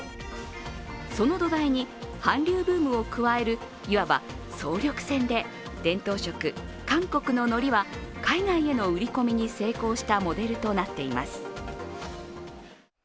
その土台に韓流ブームを加える、いわば総力戦で伝統食、韓国ののりは海外への売り込みに成功したモデルとなっています。